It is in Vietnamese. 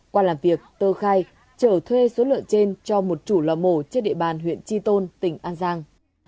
qua làm việc tờ khai chở thuê số lượng trên cho một chủ lò mổ trên địa bàn huyện chi tôn tỉnh an giang